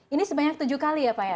ini sebanyak tujuh kali ya pak ya